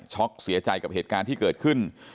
เสียใจกับเหตุการณ์ที่เกิดขึ้น